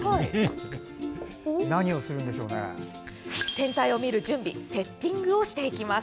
天体を見る準備セッティングをしていきます。